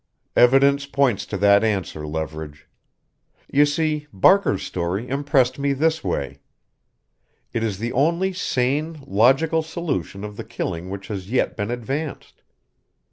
"Evidence points to that answer, Leverage. You see, Barker's story impressed me this way: it is the only sane, logical solution of the killing which has yet been advanced.